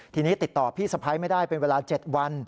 ทีนี้ติดต่อพี่สะพ้ายไม่ได้เป็นเวลา๗วัน